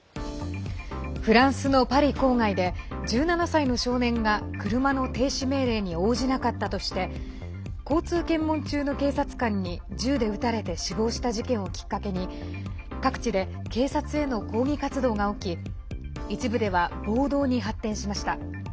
フランスのパリ郊外で１７歳の少年が車の停止命令に応じなかったとして交通検問中の警察官に銃で撃たれて死亡した事件をきっかけに各地で警察への抗議活動が起き一部では暴動に発展しました。